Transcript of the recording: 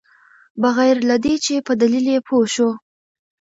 بغیر له دې چې په دلیل یې پوه شوو.